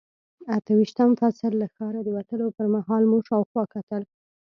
اته ویشتم فصل، له ښاره د وتلو پر مهال مو شاوخوا کتل.